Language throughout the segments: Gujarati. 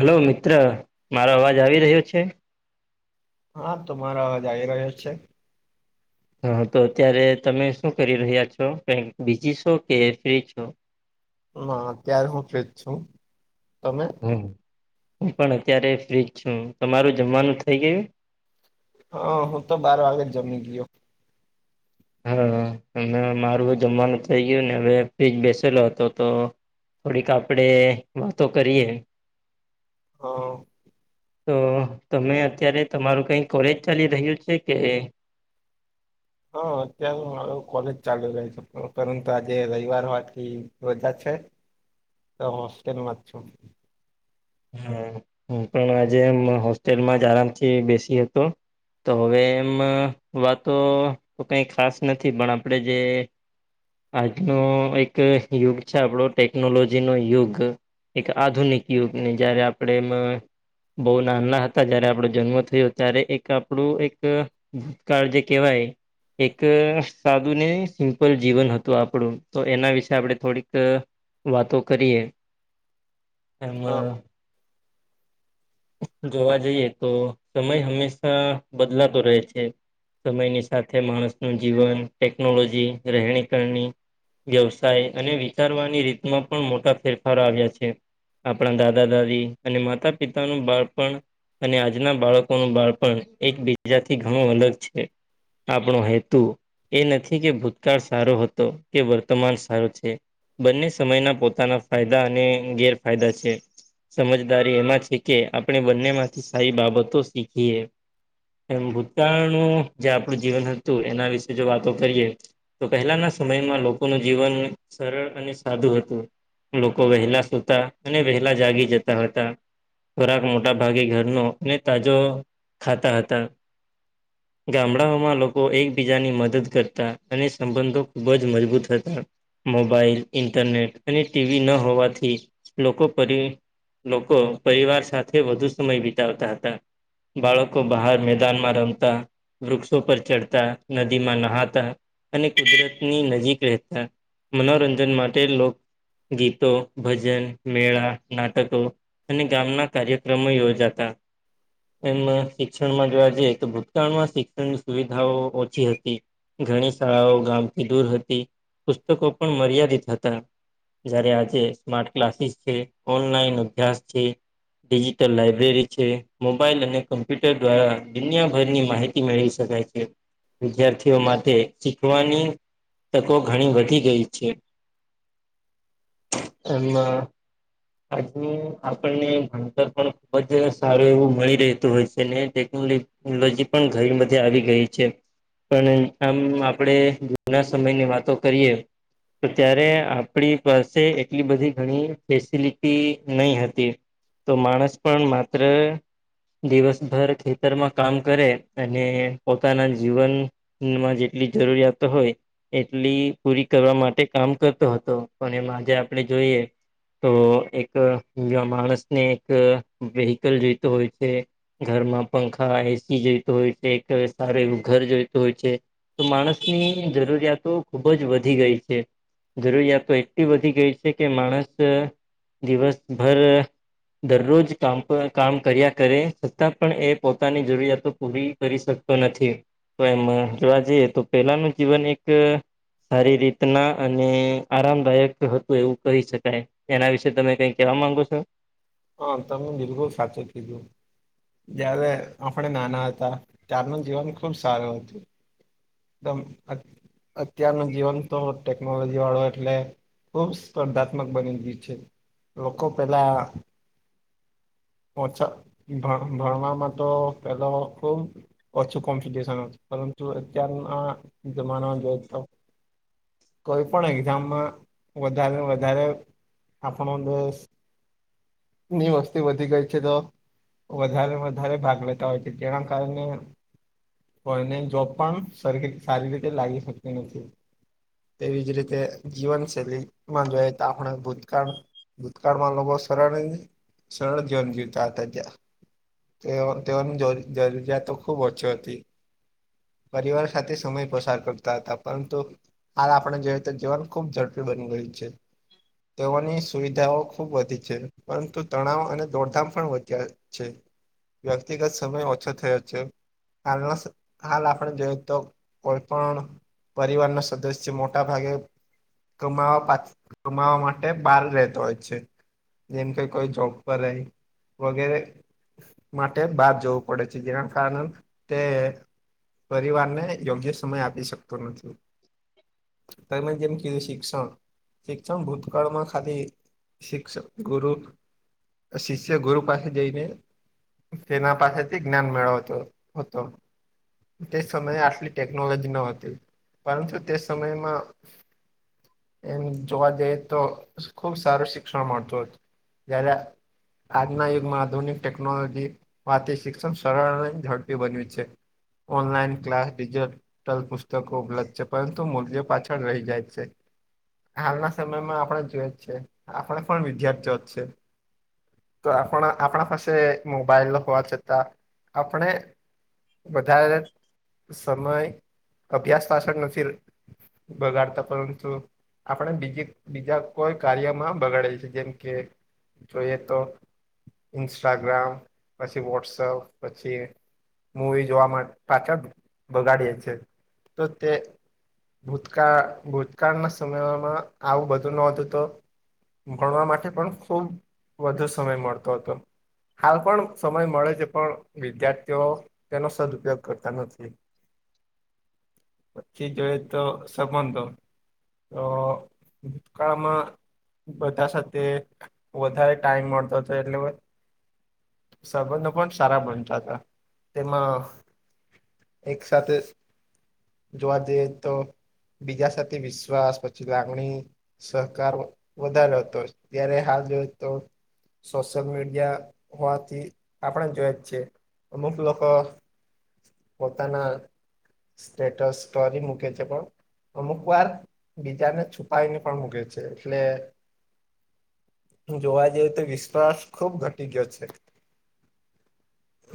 હલો મિત્ર મારો અવાજ આવી રહ્યો છે? હા તમારા અવાજ આવી રહ્યો છે. હા તો અત્યારે તમે શું કરી રહ્યા છો કક બીજી છો કે ફ્રી છો? હ અત્યારે હું ફ્રી જ છું તમે? હું પણ અત્યારે ફ્રીજ છું. તમારું જમવાનું થઇ ગયું? હા હું તો બાર વાગે જ જમી ગયો. હા અ મારું જમવાનું થઇ ગયું ને હવે ફ્ર્રીજ બેસેલો હતો તો થોડીક આપડે વાતો કરીએ. હા તો તમે અત્યારે તમારું કઈ કોલેજ ચાલી રહ્યું છે કે? હ અત્યારે હ કોલેજ ચાલુ રહી છે. પરંતુ આજે રવિવાર વાથી રજા છે. [inaudible] તો હોસ્ટેલ માર છો. હ, પણ આજે હોસ્ટેલમાં જ આરામ થી બેસી હતો. તો હવે એમ વાતો કંઈ ખાસ નથી, પણ આપણે જે આજનો એક યુગ છે, આપણો ટેકનોલોજી નો યુગ એક આધુનિક યુગને જયારે આપણે એમાં બહુ નાના હતા જયારે આપણો જન્મ થયો ત્યારે, એક આપણું એક ભૂતકાળ જે કહેવાય, એક સાદું ને સિમ્પલ જીવન હતું. આપડું તો એના વિશે આપડે થોડીક વાતો કરીએ. હ બ હા [unintelligible] જોવા જઈએ તો, સમય હંમેશા બદલાતો રહે છે. સમયની સાથે માણસ નું જીવન ટેકનોલોજી રહેણી-કરણી. વ્યવસાય અને વિચારવાની રીતમાં પણ મોટા ફેરફાર આવ્યા છે. આપણા દાદા-દાદી અને માતા-પિતાનું બાળપણ. અને આજના બાળકોનું બાળપણ એકબીજાથી ઘણું અલગ છે. આપણો હેતુ એ નથી કે ભૂતકાળ સારો હતો કે વર્તમાન સારો છે. બંને સમયના પોતાના ફાયદા અને ગેરફાયદા છે, સમજદારી એમાં છે. કે આપણે બંને માંથી સારી બાબતો શીખીએ. એ ભૂતાળનું જે આપણું જીવન હતું, એના વિશે જો વાતો કરીએ. તો પહેલાના સમયમાં લોકોનું જીવન સરળ અને સાદું હતું. લોકો વહેલા સુતા અને વહેલા જાગી જતા હતા. ખોરાક મોટા ભાગે ઘરનો અને તાજો ખાતા હતા. ગામડાઓમાં લોકો એકબીજાની મદદ કરતા અને સંબંધો ખૂબ જ મજબૂત હતા. મોબાઈલ ઇન્ટરનેટ અને ટીવી ના હોવાથી લોકો પર. લોકો પરિવાર સાથે વધુ સમય વિતાવતા હતા. બાળકો બહાર મેદાનમાં રમતા. વૃક્ષો પર ચડતા, નદીમાં ન હતા અને કુદરતની નજીક રહેતા. મનોરંજન માટે લોકો ગીતો, ભજન, મેળા, નાટકો અને ગામના કાર્યક્રમો યોજાતા. એ શિક્ષણમાં જોવા જઈએ તો, ભૂતકાળમાં શિક્ષણની સુવિધાઓ ઓછી હતી. ઘણી શાળાઓ ગામથી દૂર હતી, પુસ્તકો પણ મર્યાદિત હતા. જયારે આજે સ્માર્ટ ક્લાસીસ છે, ઓનલાઈન અભ્યાસ છે. ડિજિટલ લાઈબ્રેરી છે, મોબાઈલ અને કમ્પ્યુટર દ્વારા દુનિયાભરની માહિતી. મેળવી શકાય છે, વિદ્યાર્થીઓ માટે શીખવાની. તકો ઘણી વધી ગઈ છે, એમાં. આજુ આપણને ભણતર પણ ખુબ જ સારું એવું મળી રહેતું હોય છે ને? ટેકનોલોજી પણ ઘણી બધી આવી ગઈ છે. પણ આમ આપડે જૂના સમયની વાતો કરીએ. તો ત્યારે આપણી પાસે એટલી બધી ઘણી ફેસીલટી. નહીં હતી, તો માણસ પણ માત્ર દિવસભર ખેતરમાં કામ કરે, અને પોતાના જીવન માં જેટલી જરૂરિયાતો હોય. એટલી પૂરી કરવા માટે કામ કરતો હતો, પણ એમાં આજે આપણે જોઈએ. તો એક માણસને એક વેહિકલ જોઈતો હોય છે. ઘરમાં પંખા એસી જોઈતો હોય છે, કે સારું એવું ઘર જોઈતું હોય છે. તો માણસની જરૂરિયાતો ખુબ જ વધી ગઈ છે. જરૂરિયાતો તો એક્ટ વધી ગઈ છે, કે માણસ દિવસભર. દરરોજ કામ કામ કર્યા કરે, છતાં પણ એ પોતાની જરૂરિયાતો પૂરી કરી શકે. તો નથી, તો એમ જોવા જઈએ તો, પેલાનું જીવન એક સારી રીતના અને આરામદાયક હતું, એવું કહી શકાય એના વિશે? તો તમે કઈ કેવા માંગો છો. હા તમે બિલકુલ સાચું કીધું. જય્યારે આપણે નાના હતા ત્યારનું જીવન ખુબ સારું હતું. તમ અત અત્યાર નો જીવન તો ટેકનોલોજી વાળો એટલે ખુબ સ્પર્ધાત્મક બની ગઇ છે લોકો પેલા ઓછા ભ ભાવનામાં તો પેલો ખુબ ઓછું કોમ્પિટશન પરંતુ અત્યારના જમાના જો તો કોઈ પણ એક્ઝામમાં વધારે ને વધારે આપણો દેશ ની વસ્તી વધી ગઈ છે તો વધારે વધારે ભાગ લેતા હોય છે જેના કારણે ઓનલાઈન જોબ પણ સારી રીતે લાગી શકતી નથી. એવી જ રીતે જીવનશૈલીમાં જોઈએ તો આપણે ભૂતકાળ ભૂતકાળમાં લોકો સરળ સરળ જીવન જીવતા હતા ત્યાં. તેઓ તેઓની જ જરૂરિયાતતો ખુબ ઓછી હતી. પરિવાર સાથે સમય પસાર કરતા હતા પરંતુ હાલ આપણે જોઈએ તો જીવન ખુબ ઝડપી બની ગઈ છે. તેઓની સુવિધાઓ ખુબ વધી છે. પરંતુ તણાવ અને દોડધામ પણ વધ્યા છે. વ્યક્તિગત સમય ઓછો થયો જ છે. હાલમાં હાલ આપણે જોય તો કોઈ પણ પરવાર ના સદસ્ય મોટા ભાગે કમાવવા પાછ કમાવવા માટે બહાર રહેતો હોય છે. જેમ કે કોઈ જોબ રહે વગેરે માટે બહાર જવું પડે છે જેના કારણે તે પરિવારને યોગ્ય સમય આપી શકતો નથી. તમે જેમ કીધું શિક્ષણ શિક્ષણ ભૂતકાળમાં ખાલી શિક્ષક ગુરુ શિષ્ય ગુરુ પાસે જઈને તેના પાસેથી જ્ઞાન મેળવતો હતો. તે સમયે આટલી ટેકનોલોજી ન હતી પરંતુ તે સમયમાં એમ જોવા જઈએ તો ખુબ સારું શિક્ષણ મળતું હ જ્યારે આજના યુગમાં આધુનિક ટેકનોલોજી વાથી શિક્ષણ સરળ અને ઝડપી બન્યું છે. ઓનલાઈન ક્લાસ ડિજિટલ પુસ્તકો ઉપલબ્ધ છે પરંતુ મૂલ્ય પાછળ રહી જાય છે હાલના સમયમાં આપણે જોઈ છેએ આપણે પણ વિદ્યાર્થી [unintelligible] તો આપણ આપણા પાસે મોબાઈલ હોવા છતાં આપણે વધારે સમય અભ્યાસ પાછળ નથી બગાડતા પરંતુ આપણે બીજી બીજા કોઈ કાર્યમાં બગાડેલ છે જેમ કે જોઈએ તો ઇન્સ્ટાગ્રામ પછી વોટ્સઅપ પછી મૂવી જોવા પાછા બગાડીએ છે તો તે ભૂતકાળ ભૂતકાળના સમયમાં આવું બધું ના હોતું તો ભણવા માટે પણ ખુબ વધુ સમય મળતો હતો. હાલ પણ સમય મળે છે પણ વિદ્યાર્થીઓ તેનો સદઉપયોગ કરતા નથી. [inaudible] પછી જોઈ તો સંબંધંધો તો ભૂતકાળમાં બધા સાથે વધારે ટાઈમ મળતો હતો એટલે સંબંધો પણ સારા બનતા હતા તેમાં એક સાથે જોવા જઈએ તો બીજા સાથે વિશ્વાસ પછી લાગણી સહકાર વધારે હતો. ત્યારે હાલ જોઈ તો સોશિયલ મીડિયા હોવાથી આપણે જોય જ છે અમુક લોકો પોતાના સ્ટેટસ સ્ટોરી કરી મૂકે છે પણ અમુક વાર બીજાને છુપાવીને પણ મૂકે છે એટલે જોવા જઈ તો વિશ્વાસ ખુબ ઘટી ગયો છે.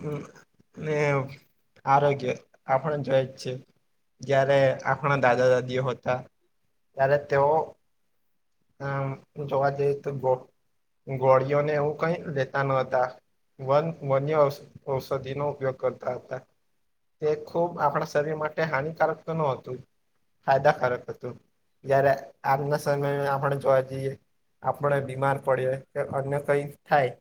હ ને આરોગ્ય આપણે જોયે જ છે જયારે આપણા દાદા દાદીઓ હતા ત્યારે તેઓ હ જોવા જઈ તો ગોળિઓને એવું કઈ લેતા નતા. વન વન્ય ઔષધિ નો ઉપયોગ કરતા હતા. તે ખૂબ આપણા શરીર માટે હાનિકારક તો ન હતું. ફાયદાકારક હતું જય્યારે આજના સમયમાં પણ જોવા જઈએ આપણે બીમાર પડીએ કે અન્ય કઈ થાય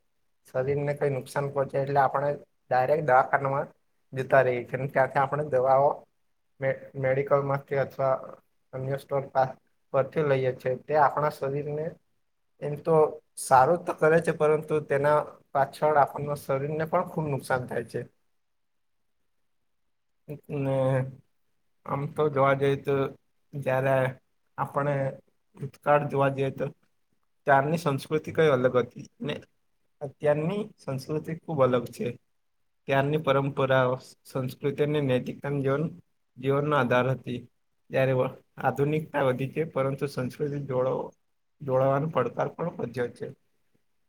શરીર ને કઈ નુકસાન પહોંચે એટલે આપણે ડાયરેક્ટ દવાખાનામાં જીતા રહી છેને ત્યાંથી આપણે દવાઓ મે મેડિકલ માંથી અથવા અન્ય સ્ટોર પરથી લઈએ છે. તે આપણા શરીરને એમ તો સારું તો કરે છે પરંતુ તેના પાછળ આપણના શરીર ને પણ ખુબ નુકસાન થાય છે. ને આમ તો જોવા જઈ તો જય્યારે આપણે ભૂતકાળ જોવા જઈએ તો ત્યારની સંસ્કૃતિ કઈ અલગ હતી ને અત્યારની સંસ્કૃતિ ખુબ અલગ છે. ત્યારની પરંપરા સંસ્કૃતિની નૈતિકતાનું જીવન જીવનનો આધાર હતી જ્યારે આધુનિકતા વધી છે પરંતુ સંસ્ કૃતિ જોડો જોડવાનો પડકાર પણ વધ્યો છે.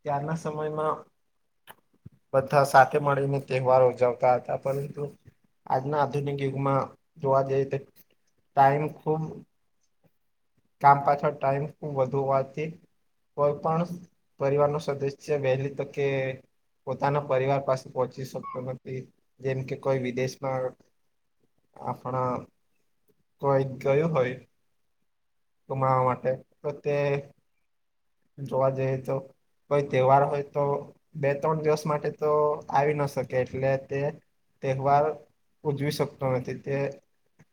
ત્યારના સમયમાં બધા સાથે મળીને તહેવાર ઉજવતા હતા પરંતુ આજના આધુનિક યુગમાં જોવા જઈ તો ટાઈમ ખુબ કામ પાછળ ટાઈમ ખુબ વધુ હોવાથી કોઈ પણ પરિવારનું સદસ્ય વહેલી તકે પોતાના પરિવાર પાસે પહોંચી શકતો નથી જેમ કે કોઈ વિદેશમાં આપણા કોઈ ગયું હોય કમાવા માટે તો તે જોવા જઈએ તો કોઈ તહેવાર હોય તો બે ત્રણ દિવસ માટે તો આવી ન શકે એટલે તે તેહેવાર ઉજવી શકતો નથી તે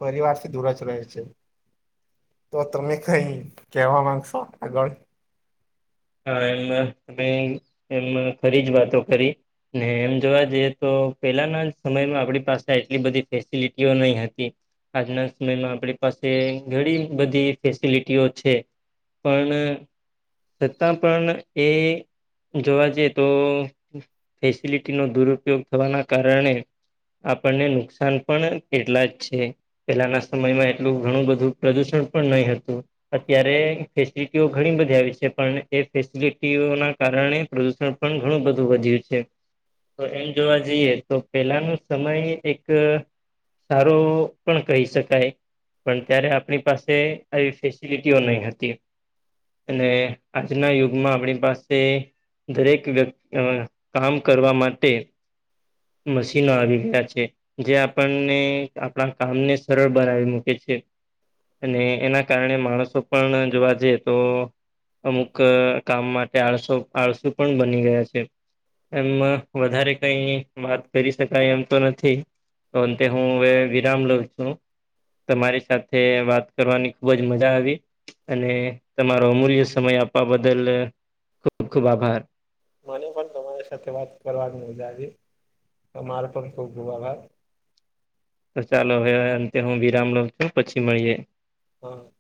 પરિવારથી દૂર જ રહે છે. તો તમે કઈ કેવા માંગશો આગળ હા એમમાં તમે એમમાં ખરી જ વાતો કરી ને એમ જોવા જઈએ તો પેલાના સમયમાં આપડી પાસે એટલી બધી ફેસિલિટીઓ નહી હતી. આજના સમયમાં આપણી પાસે ઘણી બધી ફેસિલિટીઓ છે. પણ છતાં પણ એ જોવા જઈએ તો ફેસિલિટીનો દુરપયોગ થવાના કારણે આપણને નુકસાન પણ એટલા જ છે. પેલાના સમયમાં એટલું ઘણું બધું પ્રદુષણ પણ નહી હતું. અત્યારે ફેસિલિટીઓ ઘણી બધી આવી છે. પણ એ ફેસિલિટીઓના કારણે પ્રદુષણ પણ ઘણું બધું વધ્યું છે. તો એમ જોવા જઈએ તો પેલા ન સમય એક સારો પણ કહી શકાય. પણ ત્યારે આપણી પાસે આવી ફેસિલિટીઓ નહી હતી અને આજના યુગમાં આપણી પાસે. દરેક વ્યક્તિ કામ કરવા માટે. મશીનો આવી ગયા છે. જે આપણને આપણા કામને સરળ બનાવી મૂકે છે. અને એના કારણે માણસો પણ જોવા જઈએ તો. અમુક કામ માટે આળસો આળસુ પણ બની ગયા છે. એમ વધારે કઈ વાત કરી શકાય એમ તો નથી. તો અંતે હું હ વિરામ લ છું. તમારી સાથે વાત કરવાની ખુબ જ મજા આવી અને તમારો અમૂલ્ય સમય આપવા બદલ ખૂબ ખૂબ આભાર. મને પણ તમારી સાથે વાત કરવા મજ તમારે પણ ખુબ ખૂબ આભાર. તો ચાલો હવે અંતે હું વિરામ લોઉ છું પછી મળીએ. હ.